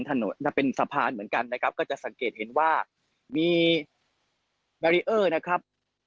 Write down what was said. ถนนจะเป็นสะพานเหมือนกันนะครับก็จะสังเกตเห็นว่ามีแบรีเออร์นะครับ